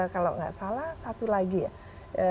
kalau nggak salah satu lagi ya